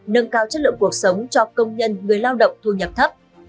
nâng cao chất lượng cuộc sống cho công nhân người lao động thu nhập thấp